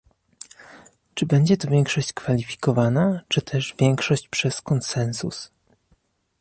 Czy będzie to większość kwalifikowana, czy też większość przez konsensus?